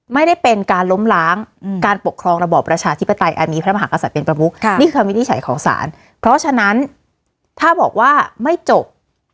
ไม่ได้เป็นการล้มล้างการปกครองระบอบประชาธิปไตยอันมีพระมหากษัตริย์เป็นประมุกนี่คือคำวินิจฉัยของศาลเพราะฉะนั้นถ้าบอกว่าไม่จบ